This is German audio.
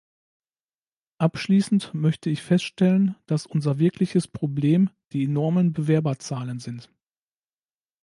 Abschließend möchte ich feststellen, dass unser wirkliches Problem die enormen Bewerberzahlen sind.